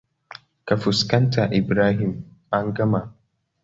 Ka fuskanta, Ibrahim, an gama.